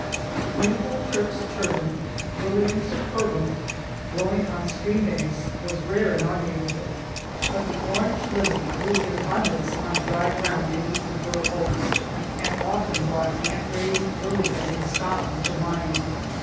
The beautiful Turk's turban (Lilium superbum) growing on stream banks was rare in our neighborhood, but the orange lily grew in abundance on dry ground beneath the bur oaks and often brought Aunt Ray's lily bed in Scotland to mind.